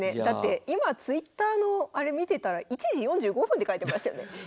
だって今ツイッターのあれ見てたら１時４５分って書いてましたよね。